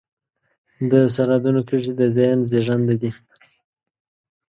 د سرحدونو کرښې د ذهن زېږنده دي.